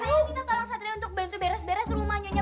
tolong satria untuk bantu beres beres rumah nyonya